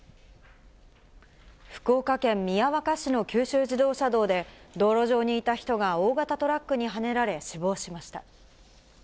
福岡県宮若市の九州自動車道で、道路上にいた人が大型トラックにはねられ、死亡しました。